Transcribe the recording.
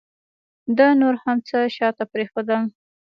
ده نور هر څه شاته پرېښودل.